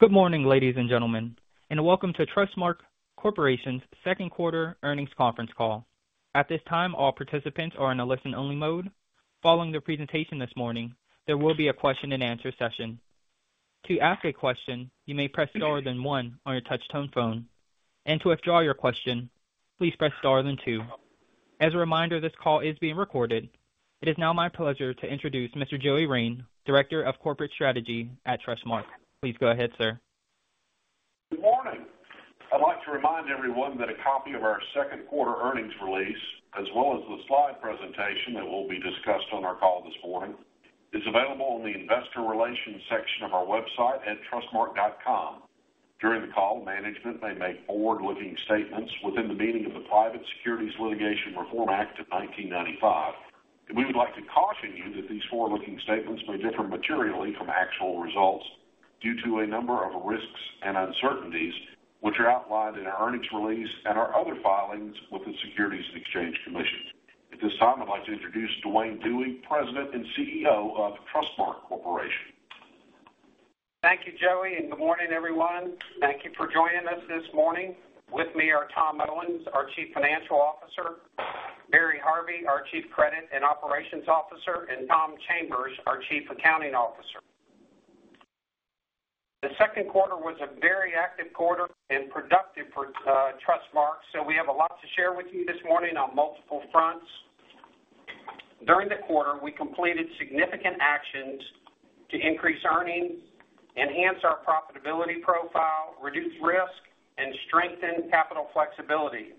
Good morning, ladies and gentlemen, and welcome to Trustmark Corporation's Second Quarter Earnings Conference Call. At this time, all participants are in a listen-only mode. Following the presentation this morning, there will be a question-and-answer session. To ask a question, you may press star then one on your touchtone phone, and to withdraw your question, please press star then two. As a reminder, this call is being recorded. It is now my pleasure to introduce Mr. Joey Rein, Director of Corporate Strategy at Trustmark. Please go ahead, sir. Good morning! I'd like to remind everyone that a copy of our second quarter earnings release, as well as the slide presentation that will be discussed on our call this morning, is available on the investor relations section of our website at trustmark.com. During the call, management may make forward-looking statements within the meaning of the Private Securities Litigation Reform Act of 1995. We would like to caution you that these forward-looking statements may differ materially from actual results due to a number of risks and uncertainties, which are outlined in our earnings release and our other filings with the Securities and Exchange Commission. At this time, I'd like to introduce Duane Dewey, President and CEO of Trustmark Corporation. Thank you, Joey, and good morning, everyone. Thank you for joining us this morning. With me are Tom Owens, our Chief Financial Officer, Barry Harvey, our Chief Credit and Operations Officer, and Tom Chambers, our Chief Accounting Officer. The second quarter was a very active quarter and productive for Trustmark, so we have a lot to share with you this morning on multiple fronts. During the quarter, we completed significant actions to increase earnings, enhance our profitability profile, reduce risk, and strengthen capital flexibility.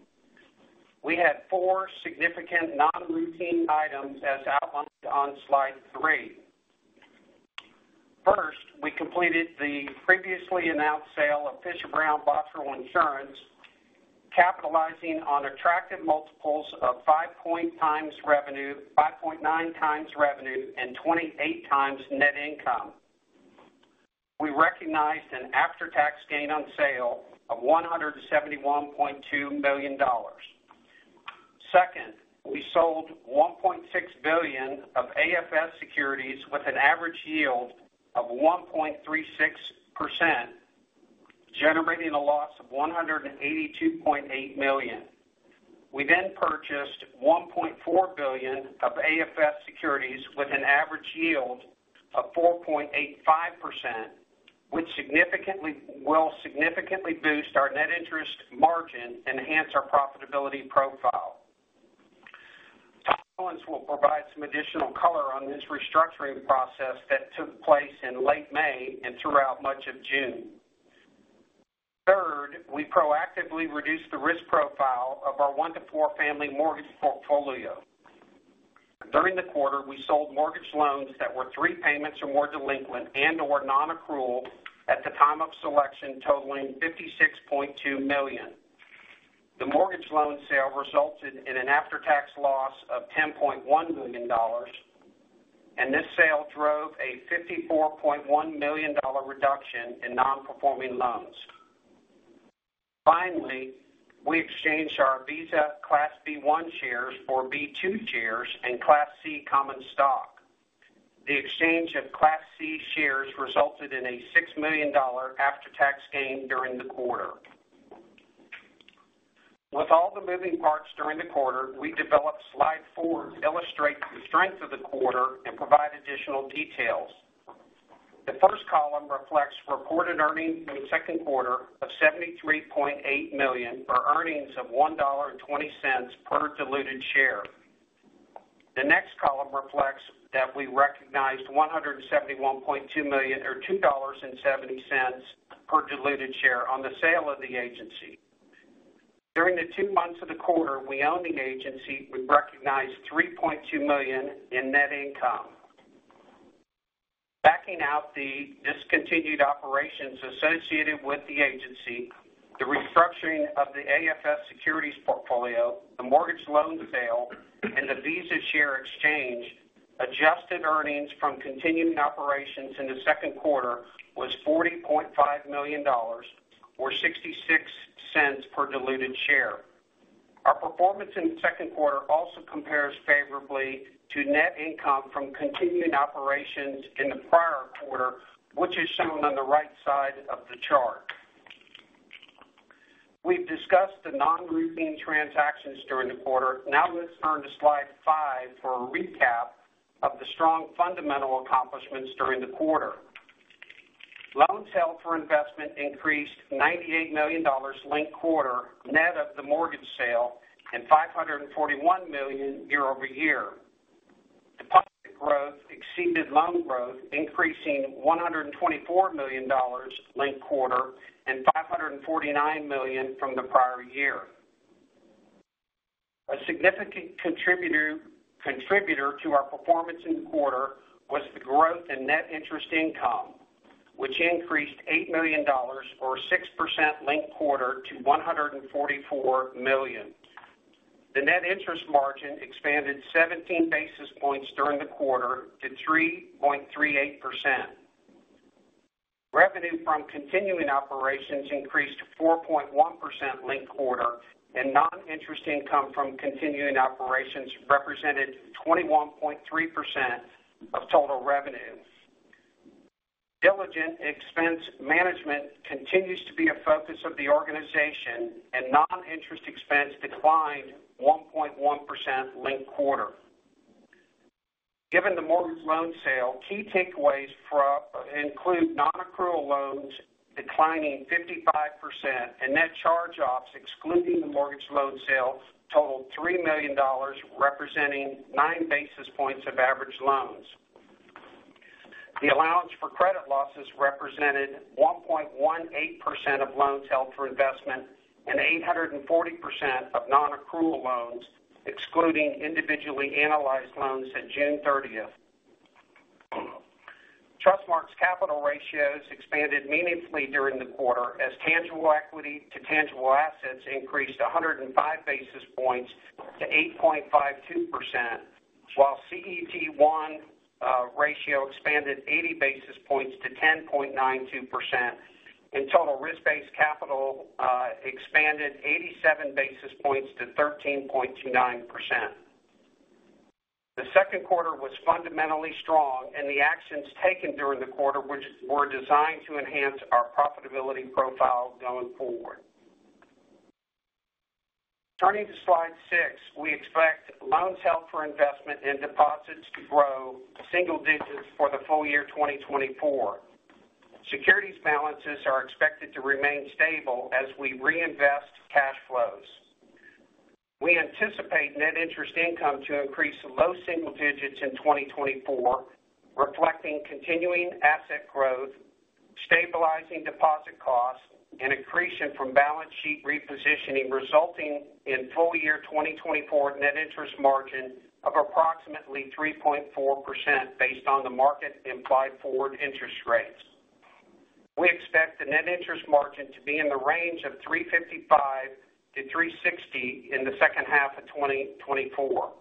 We had 4 significant non-routine items, as outlined on slide 3. First, we completed the previously announced sale of Fisher Brown Bottrell Insurance, capitalizing on attractive multiples of 5.9x revenue and 28x net income. We recognized an after-tax gain on sale of $171.2 million. Second, we sold $1.6 billion of AFS securities with an average yield of 1.36%, generating a loss of $182.8 million. We then purchased $1.4 billion of AFS securities with an average yield of 4.85%, which will significantly boost our net interest margin and enhance our profitability profile. Tom Owens will provide some additional color on this restructuring process that took place in late May and throughout much of June. Third, we proactively reduced the risk profile of our one-to-four family mortgage portfolio. During the quarter, we sold mortgage loans that were three payments or more delinquent and/or nonaccrual at the time of selection, totaling $56.2 million. The mortgage loan sale resulted in an after-tax loss of $10.1 million, and this sale drove a $54.1 million reduction in non-performing loans. Finally, we exchanged our Visa Class B-1 shares for B-2 shares and Class C common stock. The exchange of Class C shares resulted in a $6 million after-tax gain during the quarter. With all the moving parts during the quarter, we developed slide 4 to illustrate the strength of the quarter and provide additional details. The first column reflects reported earnings in the second quarter of $73.8 million, or earnings of $1.20 per diluted share. The next column reflects that we recognized $171.2 million or $2.70 per diluted share on the sale of the agency. During the 2 months of the quarter we owned the agency, we recognized $3.2 million in net income. Backing out the discontinued operations associated with the agency, the restructuring of the AFS securities portfolio, the mortgage loan sale, and the Visa share exchange, adjusted earnings from continuing operations in the second quarter was $40.5 million, or $0.66 per diluted share. Our performance in the second quarter also compares favorably to net income from continuing operations in the prior quarter, which is shown on the right side of the chart. We've discussed the non-recurring transactions during the quarter. Now, let's turn to slide 5 for a recap of the strong fundamental accomplishments during the quarter. Loans held for investment increased $98 million linked-quarter, net of the mortgage sale, and $541 million year-over-year. Deposit growth exceeded loan growth, increasing $124 million linked quarter and $549 million from the prior year. A significant contributor to our performance in the quarter was the growth in net interest income, which increased $8 million or 6% linked quarter to $144 million. The net interest margin expanded 17 basis points during the quarter to 3.38%. Revenue from continuing operations increased 4.1% linked quarter, and non-interest income from continuing operations represented 21.3% of total revenue. Diligent expense management continues to be a focus of the organization, and non-interest expense declined 1.1% linked quarter. Given the mortgage loan sale, key takeaways from include nonaccrual loans declining 55%, and net charge-offs, excluding the mortgage loan sale, totaled $3 million, representing 9 basis points of average loans. The allowance for credit losses represented 1.18% of loans held for investment and 840% of nonaccrual loans, excluding individually analyzed loans at June 30. Trustmark's capital ratios expanded meaningfully during the quarter as tangible equity to tangible assets increased 105 basis points to 8.52%, while CET1 ratio expanded 80 basis points to 10.92%, and total risk-based capital expanded 87 basis points to 13.29%. The second quarter was fundamentally strong, and the actions taken during the quarter, which were designed to enhance our profitability profile going forward. Turning to Slide 6, we expect loans held for investment and deposits to grow single digits for the full year 2024. Securities balances are expected to remain stable as we reinvest cash flows. We anticipate net interest income to increase low single digits in 2024, reflecting continuing asset growth, stabilizing deposit costs, and accretion from balance sheet repositioning, resulting in full year 2024 net interest margin of approximately 3.4% based on the market implied forward interest rates. We expect the net interest margin to be in the range of 3.55%-3.60% in the second half of 2024.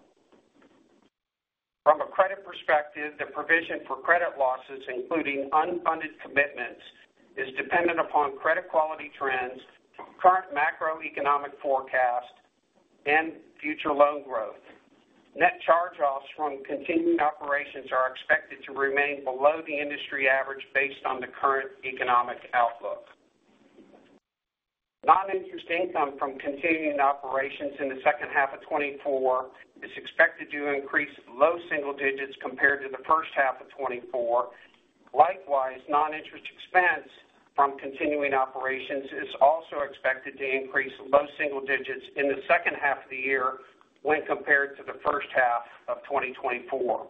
From a credit perspective, the provision for credit losses, including unfunded commitments, is dependent upon credit quality trends, current macroeconomic forecast, and future loan growth. Net charge-offs from continuing operations are expected to remain below the industry average based on the current economic outlook. Non-interest income from continuing operations in the second half of 2024 is expected to increase low single digits compared to the first half of 2024. Likewise, non-interest expense from continuing operations is also expected to increase low single digits in the second half of the year when compared to the first half of 2024.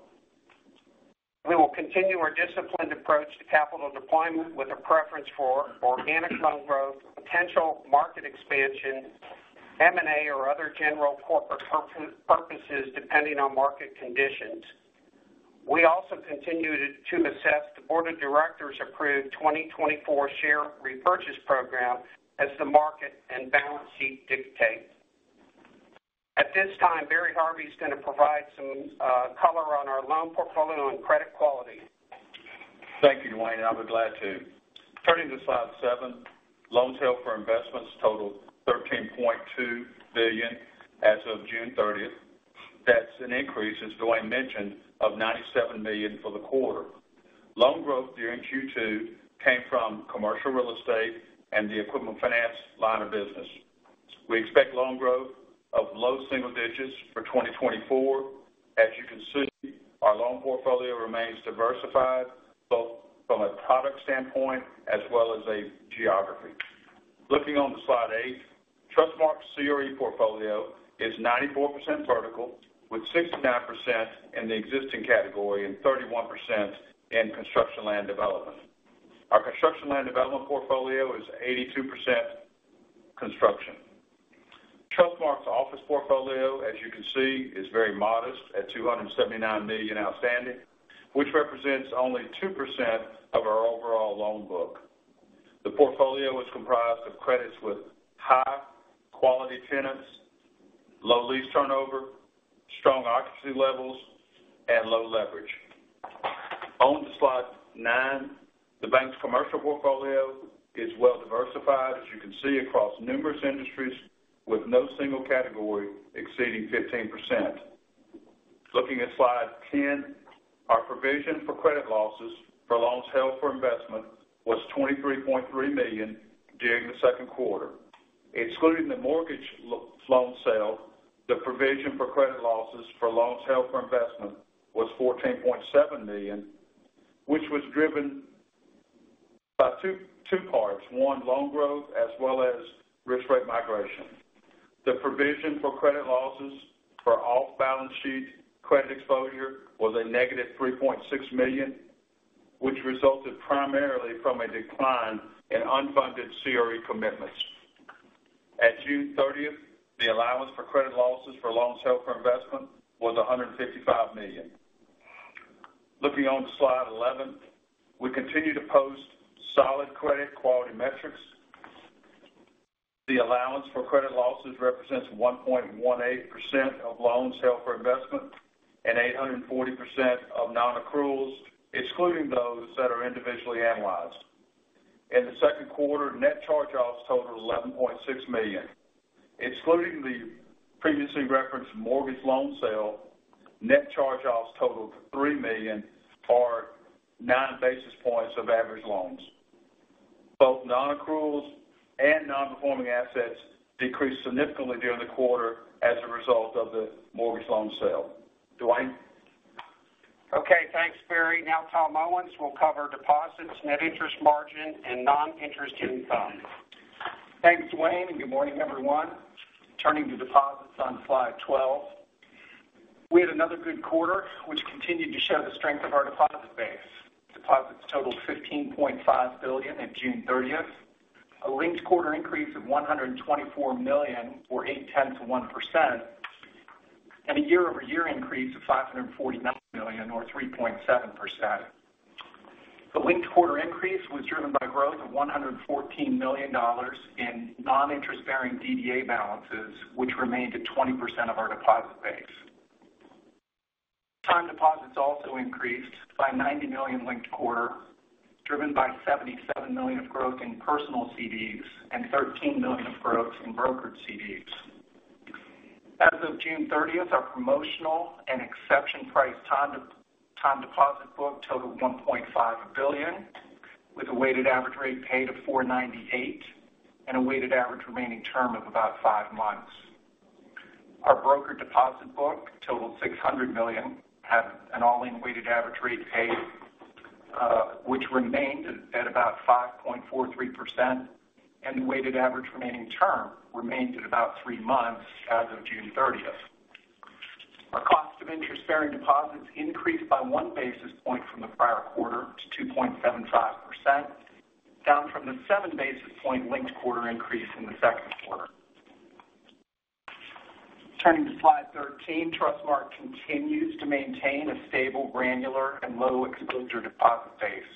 We will continue our disciplined approach to capital deployment with a preference for organic loan growth, potential market expansion, M&A, or other general corporate purposes, depending on market conditions. We also continue to assess the board of directors approved 2024 share repurchase program as the market and balance sheet dictates. At this time, Barry Harvey is going to provide some color on our loan portfolio and credit quality. Thank you, Duane. I'd be glad to. Turning to Slide 7, loans held for investment totaled $13.2 billion as of June 30. That's an increase, as Duane mentioned, of $97 million for the quarter. Loan growth during Q2 came from commercial real estate and the equipment finance line of business. We expect loan growth of low single digits for 2024. As you can see, our loan portfolio remains diversified, both from a product standpoint as well as a geography. Looking on to Slide 8, Trustmark's CRE portfolio is 94% vertical, with 69% in the existing category and 31% in construction land development. Our construction land development portfolio is 82% construction. Trustmark's office portfolio, as you can see, is very modest at $279 million outstanding, which represents only 2% of our overall loan book. The portfolio is comprised of credits with high-quality tenants, low lease turnover, strong occupancy levels, and low leverage. On to Slide 9, the bank's commercial portfolio is well diversified, as you can see, across numerous industries, with no single category exceeding 15%. Looking at Slide 10, our provision for credit losses for loans held for investment was $23.3 million during the second quarter. Excluding the mortgage loan sale, the provision for credit losses for loans held for investment was $14.7 million, which was driven by two parts: one, loan growth, as well as risk grade migration. The provision for credit losses for off-balance sheet credit exposure was -$3.6 million, which resulted primarily from a decline in unfunded CRE commitments. At June 30, the allowance for credit losses for loans held for investment was $155 million. Looking on to Slide 11, we continue to post solid credit quality metrics. The allowance for credit losses represents 1.18% of loans held for investment and 840% of nonaccruals, excluding those that are individually analyzed. In the second quarter, net charge-offs totaled $11.6 million. Excluding the previously referenced mortgage loan sale, net charge-offs totaled $3 million, or nine basis points of average loans. Both non-accruals and non-performing assets decreased significantly during the quarter as a result of the mortgage loan sale. Duane? Okay, thanks, Barry. Now, Tom Owens will cover deposits, net interest margin, and non-interest income. Thanks, Duane, and good morning, everyone. Turning to deposits on slide 12. We had another good quarter, which continued to show the strength of our deposit base. Deposits totaled $15.5 billion at June 30, a linked quarter increase of $124 million, or 0.8%-1%, and a year-over-year increase of $549 million, or 3.7%. The linked quarter increase was driven by growth of $114 million in non-interest-bearing DDA balances, which remained at 20% of our deposit base. Time deposits also increased by $90 million linked quarter, driven by $77 million of growth in personal CDs and $13 million of growth in brokered CDs. As of June thirtieth, our promotional and exception priced time deposit book totaled $1.5 billion, with a weighted average rate paid of 4.98% and a weighted average remaining term of about five months. Our broker deposit book totaled $600 million, had an all-in weighted average rate paid, which remained at about 5.43%, and the weighted average remaining term remained at about three months as of June thirtieth. Our cost of interest-bearing deposits increased by one basis point from the prior quarter to 2.75%, down from the seven basis point linked quarter increase in the second quarter. Turning to slide 13, Trustmark continues to maintain a stable, granular, and low exposure deposit base.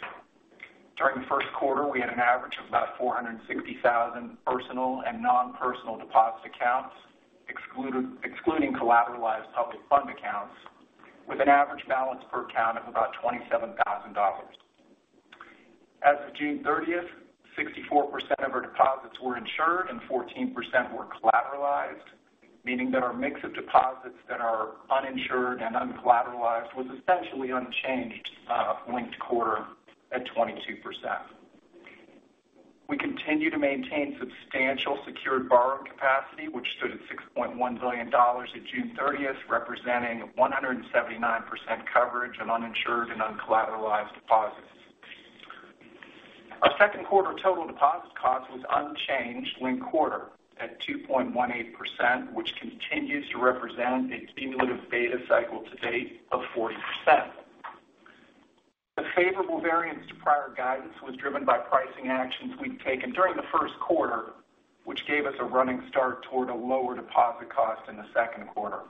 During the first quarter, we had an average of about 460,000 personal and non-personal deposit accounts, excluding collateralized public fund accounts, with an average balance per account of about $27,000. As of June 30, 64% of our deposits were insured and 14% were collateralized, meaning that our mix of deposits that are uninsured and uncollateralized was essentially unchanged linked quarter at 22%. We continue to maintain substantial secured borrowing capacity, which stood at $6.1 billion at June 30, representing 179% coverage of uninsured and uncollateralized deposits. Our second quarter total deposit cost was unchanged linked quarter at 2.18%, which continues to represent a cumulative beta cycle to date of 40%. The favorable variance to prior guidance was driven by pricing actions we'd taken during the first quarter, which gave us a running start toward a lower deposit cost in the second quarter.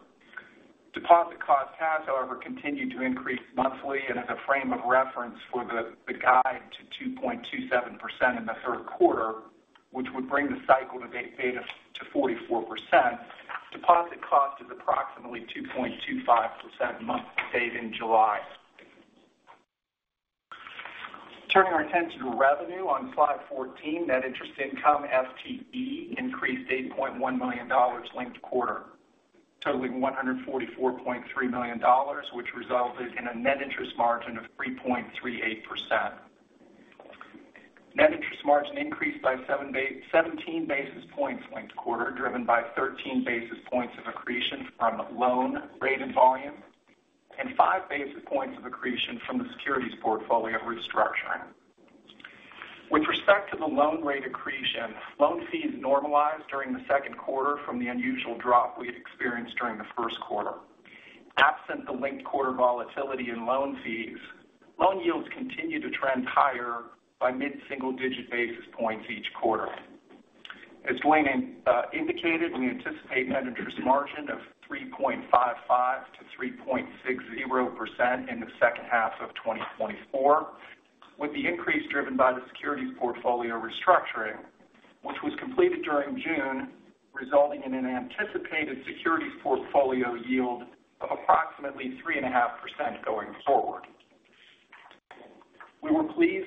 Deposit cost has, however, continued to increase monthly and as a frame of reference for the guide to 2.27% in the third quarter, which would bring the cycle-to-date beta to 44%. Deposit cost is approximately 2.25% month-to-date in July. Turning our attention to revenue on slide 14, net interest income FTE increased $8.1 million linked quarter, totaling $144.3 million, which resulted in a net interest margin of 3.38%. Net interest margin increased by seventeen basis points linked quarter, driven by 13 basis points of accretion from loan rate and volume, and 5 basis points of accretion from the securities portfolio restructuring. With respect to the loan rate accretion, loan fees normalized during the second quarter from the unusual drop we had experienced during the first quarter. Absent the linked quarter volatility in loan fees, loan yields continued to trend higher by mid-single digit basis points each quarter. As Duane indicated, we anticipate net interest margin of 3.55%-3.60% in the second half of 2024, with the increase driven by the securities portfolio restructuring, which was completed during June, resulting in an anticipated securities portfolio yield of approximately 3.5% going forward.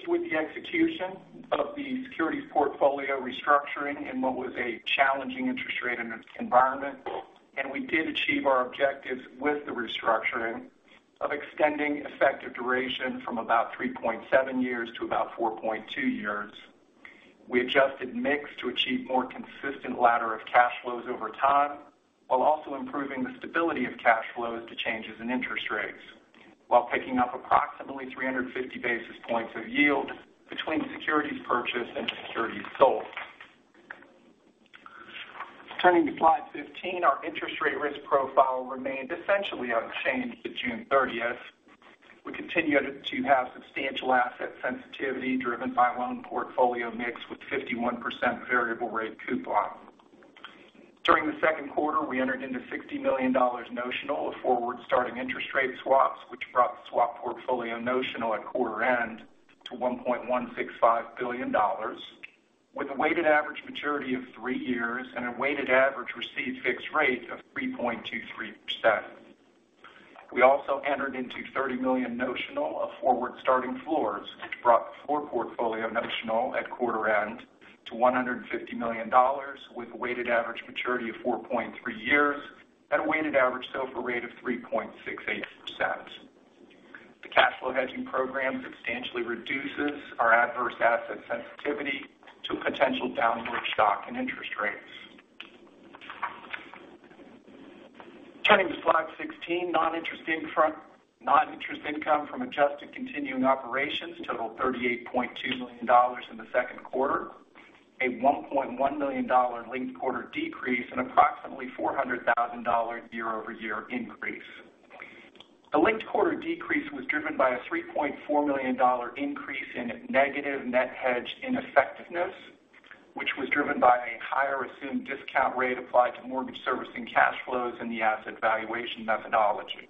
We were pleased with the execution of the securities portfolio restructuring in what was a challenging interest rate environment, and we did achieve our objectives with the restructuring of extending effective duration from about 3.7 years to about 4.2 years. We adjusted mix to achieve more consistent ladder of cash flows over time, while also improving the stability of cash flows to changes in interest rates, while picking up approximately 350 basis points of yield between securities purchased and securities sold. Turning to slide 15, our interest rate risk profile remained essentially unchanged to June 30th. We continue to have substantial asset sensitivity driven by loan portfolio mix with 51% variable rate coupon. During the second quarter, we entered into $60 million notional of forward starting interest rate swaps, which brought the swap portfolio notional at quarter end to $1.165 billion, with a weighted average maturity of 3 years and a weighted average received fixed rate of 3.23%. We also entered into $30 million notional of forward-starting floors, which brought the floor portfolio notional at quarter end to $150 million, with a weighted average maturity of 4.3 years and a weighted average SOFR rate of 3.68%. The cash flow hedging program substantially reduces our adverse asset sensitivity to potential downward shock in interest rates. Turning to slide 16, non-interest income from adjusted continuing operations totaled $38.2 million in the second quarter, a $1.1 million linked-quarter decrease and approximately $400,000 year-over-year increase. The linked-quarter decrease was driven by a $3.4 million increase in negative net hedge ineffectiveness, which was driven by a higher assumed discount rate applied to mortgage servicing cash flows and the asset valuation methodology.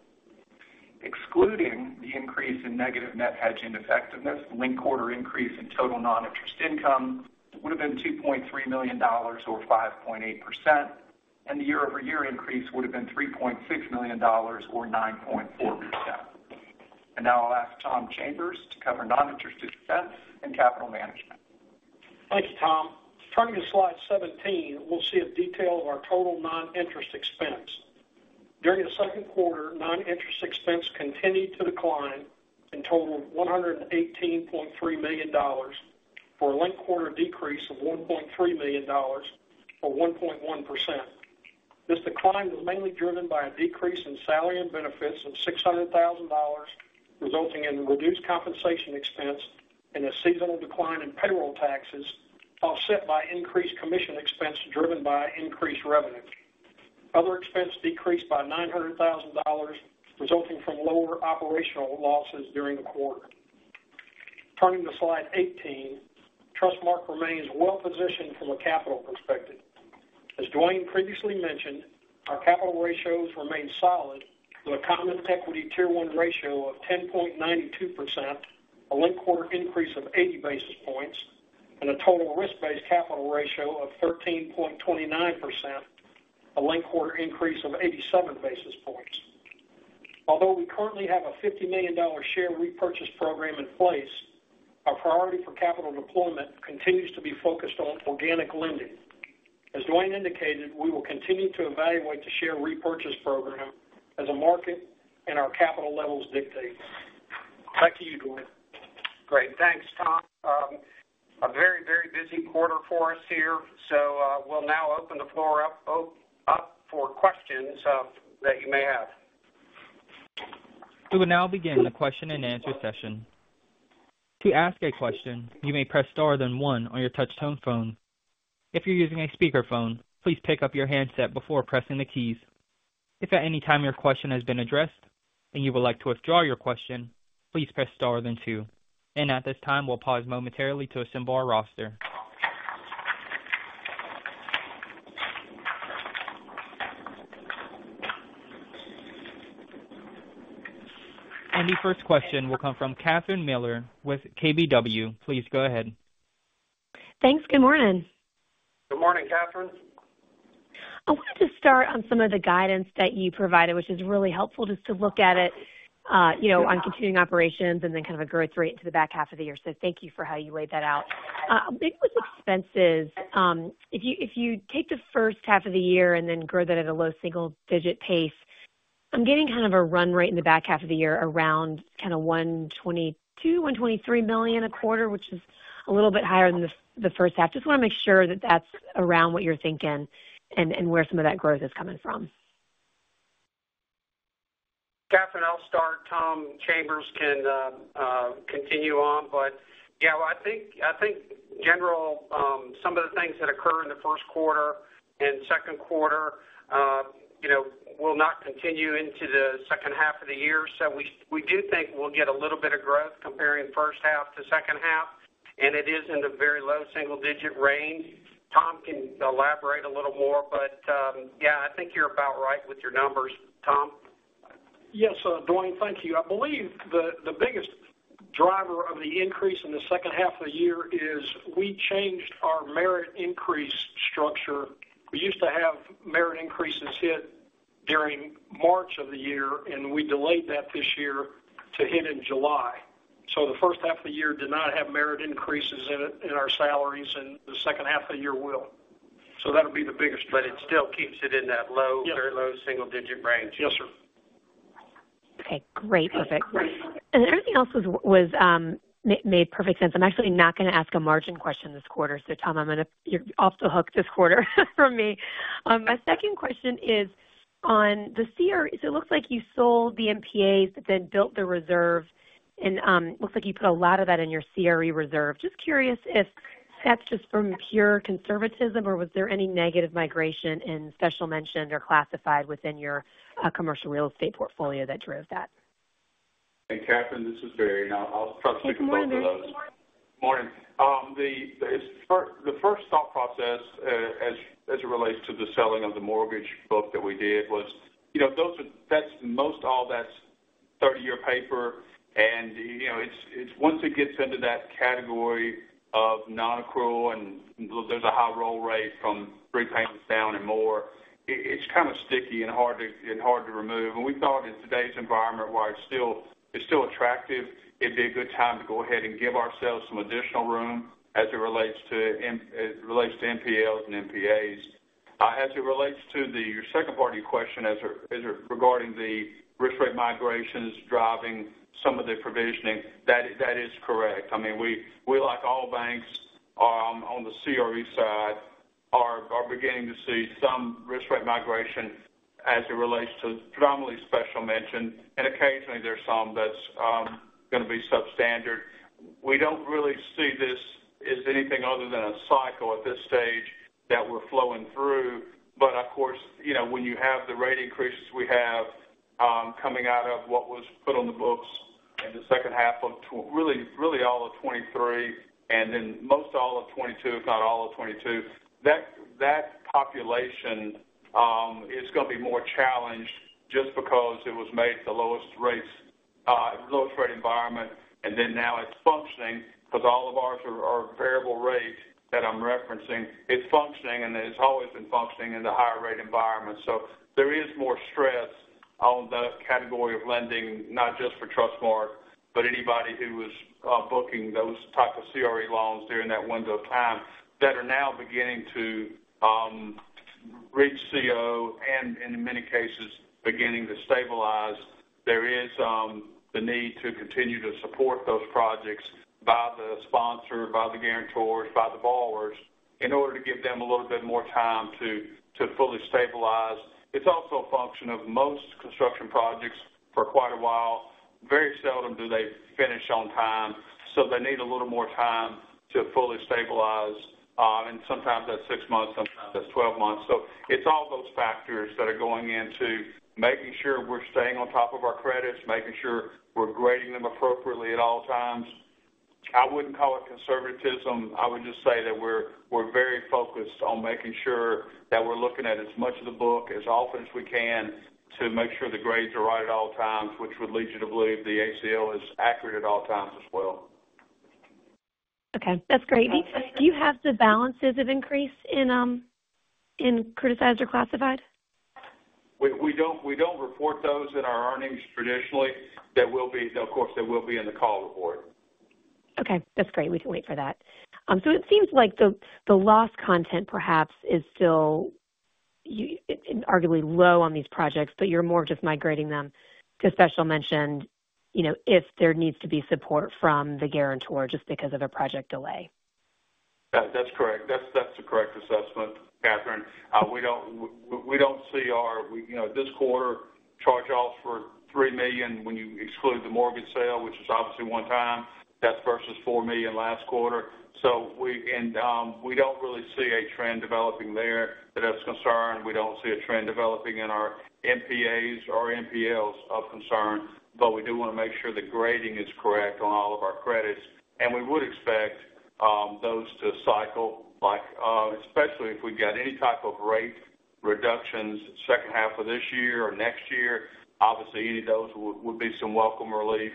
Excluding the increase in negative net hedging effectiveness, the linked-quarter increase in total non-interest income would have been $2.3 million, or 5.8%, and the year-over-year increase would have been $3.6 million, or 9.4%. Now I'll ask Tom Chambers to cover non-interest expense and capital management. Thank you, Tom. Turning to slide 17, we'll see a detail of our total non-interest expense. During the second quarter, non-interest expense continued to decline and totaled $118.3 million, for a linked quarter decrease of $1.3 million, or 1.1%. This decline was mainly driven by a decrease in salary and benefits of $600,000, resulting in reduced compensation expense and a seasonal decline in payroll taxes, offset by increased commission expense driven by increased revenue. Other expense decreased by $900,000, resulting from lower operational losses during the quarter. Turning to slide 18, Trustmark remains well positioned from a capital perspective. As Duane previously mentioned, our capital ratios remain solid, with a common equity tier one ratio of 10.92%, a linked quarter increase of 80 basis points, and a total risk-based capital ratio of 13.29%, a linked quarter increase of 87 basis points. Although we currently have a $50 million share repurchase program in place, our priority for capital deployment continues to be focused on organic lending. As Duane indicated, we will continue to evaluate the share repurchase program as the market and our capital levels dictate. Back to you, Duane. Great. Thanks, Tom. A very, very busy quarter for us here. So, we'll now open the floor up for questions that you may have. We will now begin the question-and-answer session. To ask a question, you may press star, then one on your touchtone phone. If you're using a speakerphone, please pick up your handset before pressing the keys. If at any time your question has been addressed and you would like to withdraw your question, please press star then two. At this time, we'll pause momentarily to assemble our roster. The first question will come from Catherine Mealor with KBW. Please go ahead. Thanks. Good morning. Good morning, Catherine. I wanted to start on some of the guidance that you provided, which is really helpful just to look at it, you know, on continuing operations and then kind of a growth rate into the back half of the year. So thank you for how you laid that out. I think with expenses, if you, if you take the first half of the year and then grow that at a low single digit pace, I'm getting kind of a run rate in the back half of the year around kind of $122 million-$123 million a quarter, which is a little bit higher than the, the first half. Just want to make sure that that's around what you're thinking and, and where some of that growth is coming from. Catherine, I'll start. Tom Chambers can continue on. But yeah, I think, I think general, some of the things that occurred in the first quarter and second quarter, you know, will not continue into the second half of the year. So we, we do think we'll get a little bit of growth comparing first half to second half, and it is in the very low single digit range. Tom, can you elaborate a little more, but, yeah, I think you're about right with your numbers. Tom? Yes, Duane, thank you. I believe the biggest driver of the increase in the second half of the year is we changed our merit increase structure. We used to have merit increases hit during March of the year, and we delayed that this year to hit in July. So the first half of the year did not have merit increases in our salaries, and the second half of the year will. So that'll be the biggest- But it still keeps it in that low- Yeah. very low single digit range. Yes, sir. Okay, great. Perfect. And everything else was made perfect sense. I'm actually not going to ask a margin question this quarter, so Tom, I'm going to... You're off the hook this quarter from me. My second question is on the CRE. So it looks like you sold the NPAs but then built the reserve, and looks like you put a lot of that in your CRE reserve. Just curious if that's just from pure conservatism, or was there any negative migration in special mention or classified within your commercial real estate portfolio that drove that? Hey, Catherine, this is Barry. Now, I'll try to take both of those. Good morning. Morning. The first thought process as it relates to the selling of the mortgage book that we did was, you know, those are—that's most all that's-... paper. And, you know, it's once it gets into that category of nonaccrual, and there's a high roll rate from three payments down and more, it's kind of sticky and hard to remove. And we thought in today's environment, where it's still attractive, it'd be a good time to go ahead and give ourselves some additional room as it relates to as it relates to NPLs and NPAs. As it relates to the second part of your question, as it regarding the risk grade migrations driving some of the provisioning, that is correct. I mean, we, like all banks, on the CRE side, are beginning to see some risk grade migration as it relates to predominantly special mention, and occasionally there's some that's going to be substandard. We don't really see this as anything other than a cycle at this stage that we're flowing through. But of course, you know, when you have the rate increases we have, coming out of what was put on the books in the second half of 2023 and then most all of 2022, if not all of 2022, that population is going to be more challenged just because it was made at the lowest rates, lowest rate environment, and then now it's functioning because all of ours are variable rates that I'm referencing. It's functioning, and it's always been functioning in the higher rate environment. So there is more stress on the category of lending, not just for Trustmark, but anybody who was booking those type of CRE loans during that window of time that are now beginning to reach CO and in many cases, beginning to stabilize. There is the need to continue to support those projects by the sponsor, by the guarantors, by the borrowers, in order to give them a little bit more time to to fully stabilize. It's also a function of most construction projects for quite a while. Very seldom do they finish on time, so they need a little more time to fully stabilize. And sometimes that's six months, sometimes that's 12 months. So it's all those factors that are going into making sure we're staying on top of our credits, making sure we're grading them appropriately at all times. I wouldn't call it conservatism. I would just say that we're very focused on making sure that we're looking at as much of the book as often as we can, to make sure the grades are right at all times, which would lead you to believe the ACL is accurate at all times as well. Okay, that's great. Do you have the balances of increase in, in criticized or classified? We don't report those in our earnings traditionally. There will be, of course, they will be in the call report. Okay, that's great. We can wait for that. So it seems like the loss content perhaps is still arguably low on these projects, but you're more just migrating them to special mention, you know, if there needs to be support from the guarantor just because of a project delay. That, that's correct. That's, that's the correct assessment, Catherine. We don't see our, you know, this quarter charge-offs for $3 million when you exclude the mortgage sale, which is obviously one-time, that's versus $4 million last quarter. So, and we don't really see a trend developing there that is concerned. We don't see a trend developing in our NPAs or NPLs of concern, but we do want to make sure the grading is correct on all of our credits, and we would expect those to cycle. Like, especially if we get any type of rate reductions second half of this year or next year. Obviously, any of those would be some welcome relief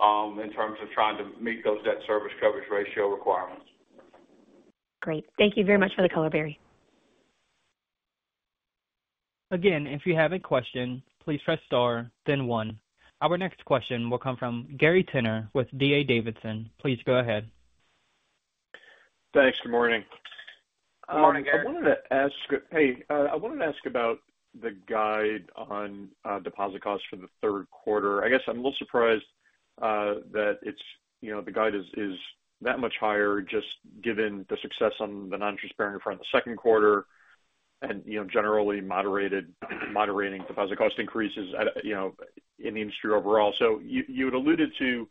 in terms of trying to meet those debt service coverage ratio requirements. Great. Thank you very much for the color, Barry. Again, if you have a question, please press star then one. Our next question will come from Gary Tenner with D.A. Davidson. Please go ahead. Thanks. Good morning. Good morning, Gary. I wanted to ask about the guide on deposit costs for the third quarter. I guess I'm a little surprised that it's, you know, the guide is that much higher, just given the success on the non-interest-bearing front in the second quarter and, you know, generally moderated, moderating deposit cost increases, you know, in the industry overall. So you had alluded to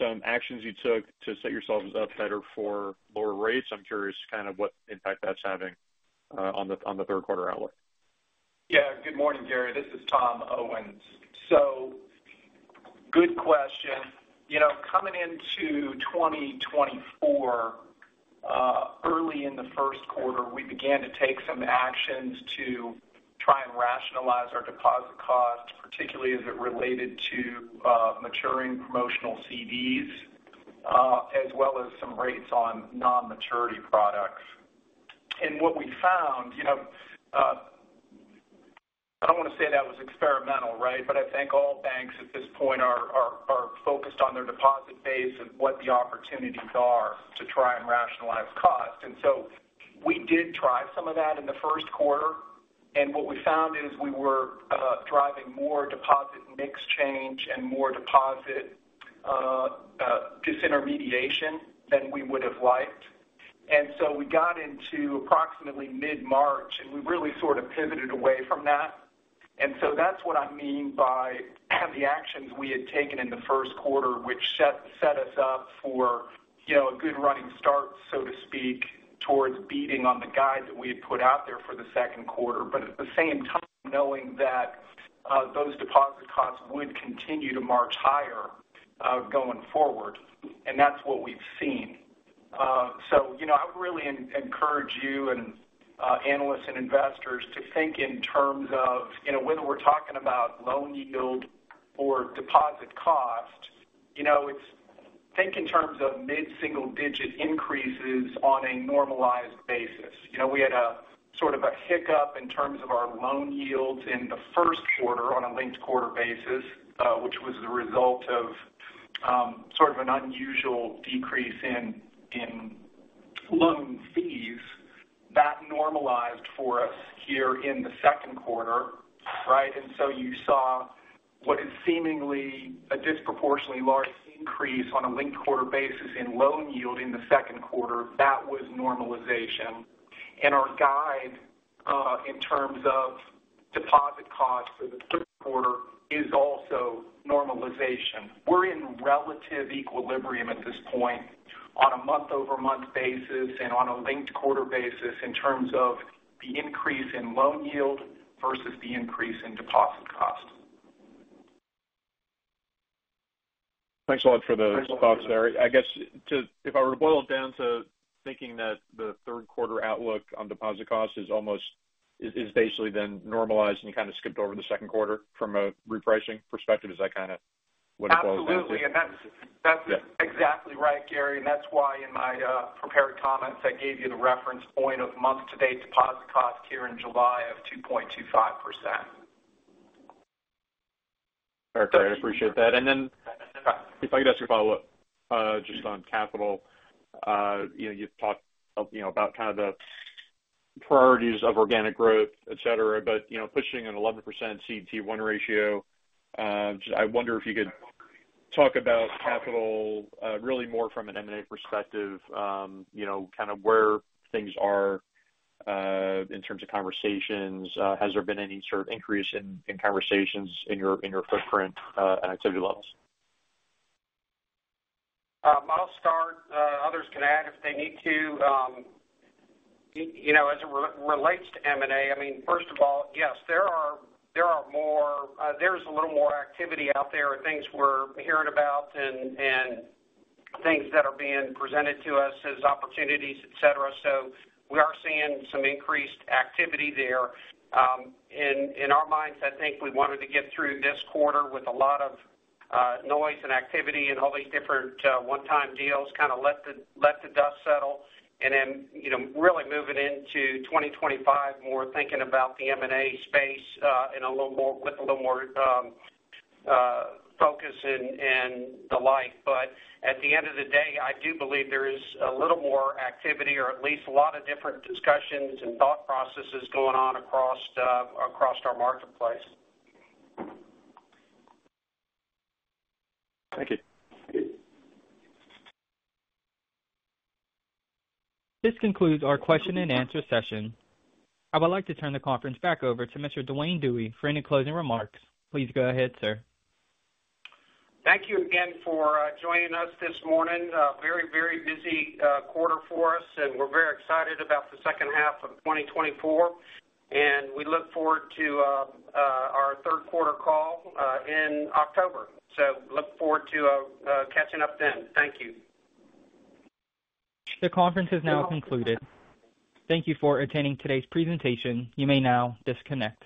some actions you took to set yourselves up better for lower rates. I'm curious kind of what impact that's having on the third quarter outlook. Yeah. Good morning, Gary. This is Tom Owens. So good question. You know, coming into 2024, early in the first quarter, we began to take some actions to try and rationalize our deposit costs, particularly as it related to maturing promotional CDs, as well as some rates on non-maturity products. And what we found, you know, I don't want to say that was experimental, right, but I think all banks at this point are focused on their deposit base and what the opportunities are to try and rationalize costs. And so we did try some of that in the first quarter, and what we found is we were driving more deposit mix change and more deposit disintermediation than we would have liked. And so we got into approximately mid-March, and we really sort of pivoted away from that. And so that's what I mean by the actions we had taken in the first quarter, which set us up for, you know, a good running start, so to speak, towards beating on the guide that we had put out there for the second quarter. But at the same time, knowing that those deposit costs would continue to march higher going forward, and that's what we've seen. So, you know, I would really encourage you and analysts and investors to think in terms of, you know, whether we're talking about loan yield or deposit cost, you know, it's think in terms of mid-single digit increases on a normalized basis. You know, we had a sort of a hiccup in terms of our loan yields in the first quarter on a linked quarter basis, which was the result of sort of an unusual decrease in loan fees. That normalized for us here in the second quarter, right? And so you saw what is seemingly a disproportionately large increase on a linked quarter basis in loan yield in the second quarter. That was normalization. And our guide in terms of deposit costs for the third quarter is also normalization. We're in relative equilibrium at this point on a month-over-month basis and on a linked quarter basis in terms of the increase in loan yield versus the increase in deposit cost. Thanks a lot for those thoughts there. I guess, if I were to boil it down to thinking that the third quarter outlook on deposit costs is almost, is basically then normalized and kind of skipped over the second quarter from a repricing perspective, is that kind of what it boils down to? Absolutely, and that's, that's exactly right, Gary. That's why in my prepared comments, I gave you the reference point of month-to-date deposit cost here in July of 2.25%. Okay, I appreciate that. And then if I could ask a follow-up, just on capital. You know, you've talked, you know, about kind of the priorities of organic growth, et cetera, but, you know, pushing an 11% CET1 ratio, just I wonder if you could talk about capital, really more from an M&A perspective, you know, kind of where things are, in terms of conversations. Has there been any sort of increase in conversations in your footprint, and activity levels? I'll start, others can add if they need to. You know, as it relates to M&A, I mean, first of all, yes, there are, there are more, there's a little more activity out there, things we're hearing about and, and things that are being presented to us as opportunities, et cetera. So we are seeing some increased activity there. In our minds, I think we wanted to get through this quarter with a lot of noise and activity and all these different one-time deals, kind of let the dust settle and then, you know, really moving into 2025, more thinking about the M&A space, in a little more, with a little more focus and the like. But at the end of the day, I do believe there is a little more activity or at least a lot of different discussions and thought processes going on across, across our marketplace. Thank you. This concludes our question-and-answer session. I would like to turn the conference back over to Mr. Duane Dewey for any closing remarks. Please go ahead, sir. Thank you again for joining us this morning. A very, very busy quarter for us, and we're very excited about the second half of 2024. And we look forward to our third quarter call in October. So look forward to catching up then. Thank you. The conference is now concluded. Thank you for attending today's presentation. You may now disconnect.